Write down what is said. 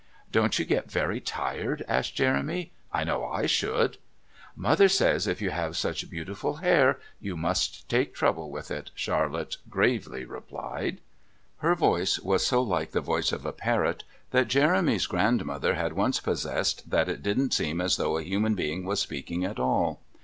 "Don't you get very tired?" asked Jeremy. "I know I should." "Mother says if you have such beautiful hair you must take trouble with it," Charlotte gravely replied. Her voice was so like the voice of a parrot that Jeremy's grandmother had once possessed that it didn't seem as though a human being was speaking at all.